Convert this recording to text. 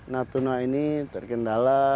natuna ini terkendala